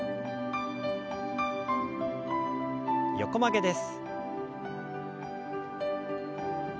横曲げです。